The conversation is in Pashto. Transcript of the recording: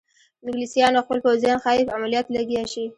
انګلیسیانو خپل پوځیان ښایي په عملیاتو لګیا شي.